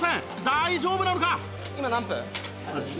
大丈夫なのか？